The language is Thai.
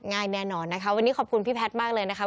ง่ายแน่นอนนะคะวันนี้ขอบคุณพี่แพทย์มากเลยนะคะ